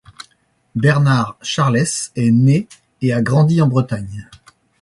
Bernard Charlès est né et a grandi en Bretagne.